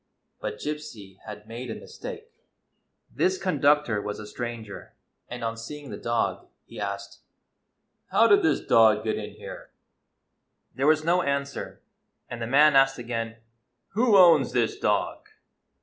But Gypsy had made a mistake. This conductor was a stranger, and, on seeing the dog, he asked :" How did this dog get in here?" 178 GYPSY MAKES ANOTHER MISTAKE There was no answer, and the man asked again :" Who owns this dog?"